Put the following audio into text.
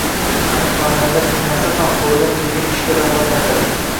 Aniq fanlarda qiynalsa ham, qo'lidan kelgan ishga rag'batlantiring.